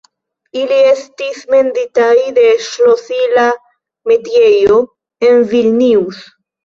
Ili estis menditaj de ŝlosila metiejo en Vilnius.